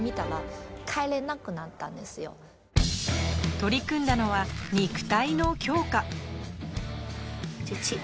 取り組んだのは、肉体の強化。